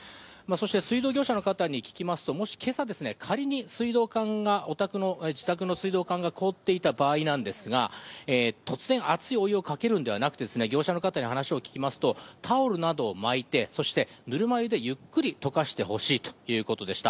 水道業者の方に聞きますと、今朝、仮に自宅の水道管が凍っていた場合ですが、突然、熱いお湯をかけるのではなく業者の方にお話を聞くとタオルなどを巻いて、ぬるま湯でゆっくり溶かしてほしいということでした。